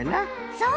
そう！